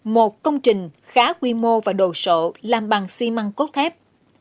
một công trình khá quy mô và đồ sộ làm bằng xi măng cốt thép